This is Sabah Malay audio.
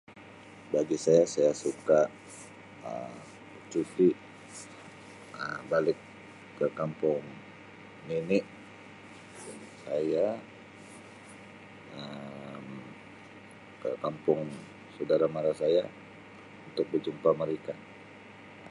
Bagi saya saya suka Um bercuti Um balik ke kampung nenek saya Um ke kampung saudara mara saya untuk berjumpa mereka.